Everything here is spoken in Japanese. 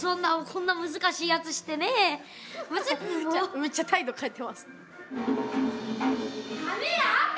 めっちゃ態度変えてます。